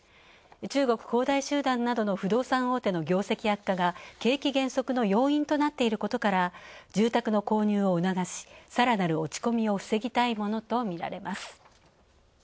中国・恒大集団などの不動産大手の業績悪化が、景気減速の要因となっていることから住宅の購入を促し、さらなる落ち込みを防ぎたいものとみられます。